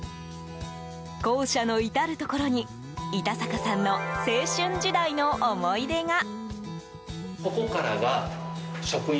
校舎の至るところに板坂さんの青春時代の思い出が。